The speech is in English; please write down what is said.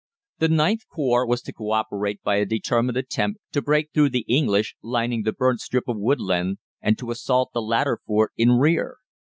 The IXth Corps was to co operate by a determined attempt to break through the English lining the burnt strip of woodland and to assault the latter fort in rear.